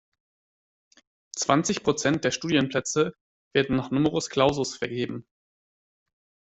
Zwanzig Prozent der Studienplätze werden nach Numerus Clausus vergeben.